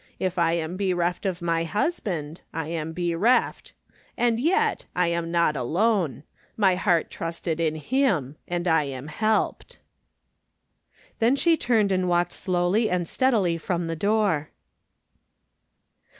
If I am bereft of my Inisband, I am bereft. And yet I am not alone. ]\Iy heart trusted in Him, and I am helped." Then she turned and walked slowly and steadily from the door.